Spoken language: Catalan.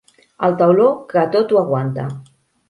El tauló que tot ho aguanta.